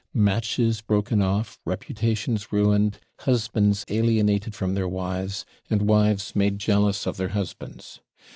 Matches broken off, reputations ruined, husbands alienated from their wives, and wives made jealous of their husbands.